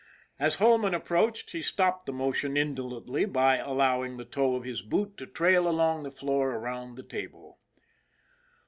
As Holman approached he stopped the motion indolently by allowing the toe of his boot to trail along the floor around the table.